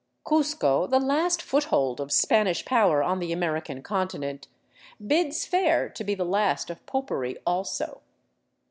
Cuzco, the last foothold of Spanish power on the American conti nent, bids fair to be the last of popery also.